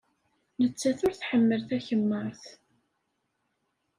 Nettat ur tḥemmel takemmart.